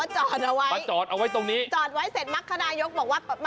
จอดเอาไว้จอดเอาไว้ตรงนี้จอดไว้เสร็จมักคณายกบอกว่ามันเลื่อนด้วย